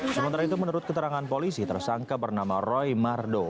sementara itu menurut keterangan polisi tersangka bernama roy mardo